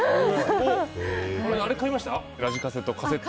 あれ買いました？